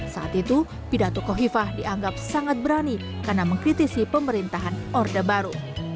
saat itu pidato kofifah dianggap sangat berani karena mengkritisi pemerintahan orde baru